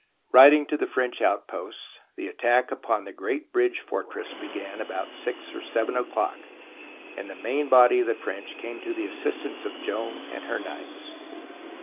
Riding to the French outposts, the attack upon THE BOOK OF FAMOUS SIEGES the great bridge fortress began about six or seven o'clock, and the main body of the French came to the assistance of Joan and her knights.